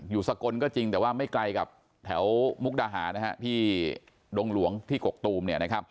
สกลก็จริงแต่ว่าไม่ไกลกับแถวมุกดาหารที่ดงหลวงที่กกตูม